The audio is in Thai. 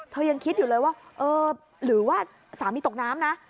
ยังคิดอยู่เลยว่าเออหรือว่าสามีตกน้ำนะ